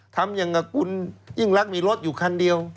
ทำอย่างกับคุณยิ่งรักมีรถอยู่คันเดียว